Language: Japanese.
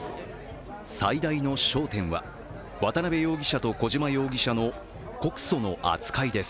最大の焦点は、渡辺容疑者と小島容疑者の告訴の扱いです。